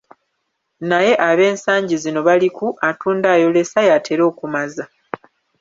Naye ab'ensangi zino bali ku, "Atunda ayolesa yatera okumaza".